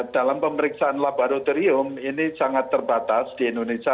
dalam pemeriksaan laboratorium ini sangat terbatas di indonesia